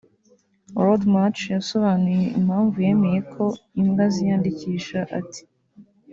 Lord March yasobanuye impamvu yemeye ko imbwa ziyandikisha ati